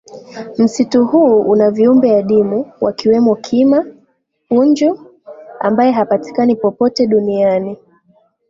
Msitu huu una viumbe adimu wakiwemo Kima punju ambae hapatikani popote duniani